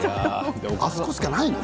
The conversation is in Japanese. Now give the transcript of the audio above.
あそこしかないの？